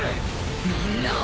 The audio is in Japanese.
みんなを